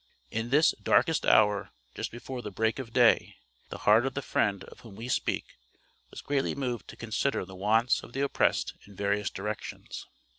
In this "darkest hour, just before the break of day," the heart of the friend of whom we speak, was greatly moved to consider the wants of the oppressed in various directions.